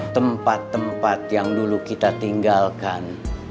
tempat tempat yang dulu kita tinggalkan